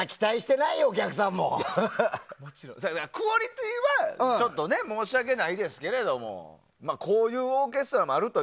クオリティーは申し訳ないですけどこういうオーケストラもあると。